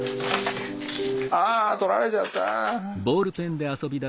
あ取られちゃった。